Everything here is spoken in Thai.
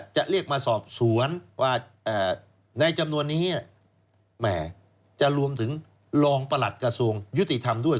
จะเรียกมาสอบสวนว่าในจำนวนนี้แหมจะรวมถึงรองประหลัดกระทรวงยุติธรรมด้วย